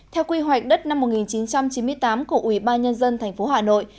theo quy hoạch đất năm một nghìn chín trăm chín mươi tám của ủy ba nhân dân thành phố hà nội